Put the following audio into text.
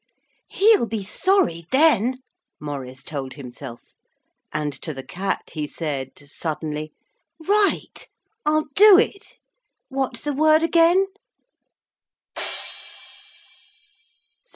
'He'll be sorry, then,' Maurice told himself, and to the cat he said, suddenly: 'Right I'll do it. What's the word, again?'